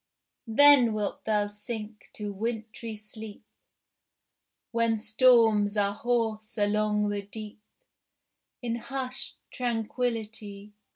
Then wilt thou sink to wintry sleep, When storms are hoarse along the deep, In hushed tranquillity.